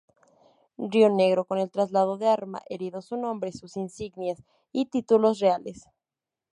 Rionegro, con el traslado de Arma, heredó su nombre, sus insignias y títulos reales.